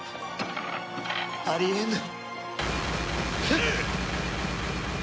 あり得ぬ。